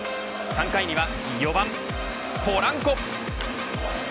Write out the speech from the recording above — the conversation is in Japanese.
３回には４番、ポランコ。